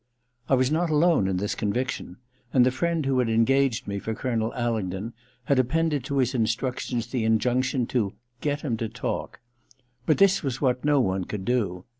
I was not alone in this conviction ; and the friend who had engaged me for Colonel Aling don had appended to his instructions the in junction to 'get him to talk/ But this was what no one could do.